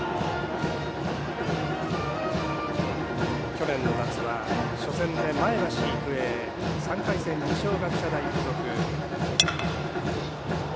去年の夏は初戦で前橋育英３回戦、二松学舎大付属。